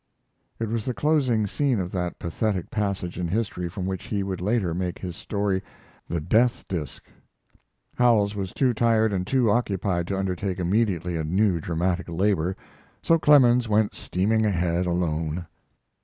It was the closing scene of that pathetic passage in history from which he would later make his story, "The Death Disc." Howells was too tired and too occupied to undertake immediately a new dramatic labor, so Clemens went steaming ahead alone.